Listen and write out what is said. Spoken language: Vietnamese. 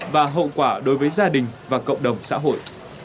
và hậu quả đối với gia đình và cộng đồng xã hội